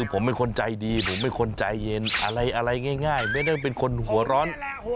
ผมเป็นคนใจดีผมเป็นคนใจเย็นอะไรง่ายไม่ได้เป็นคนหัวร้อน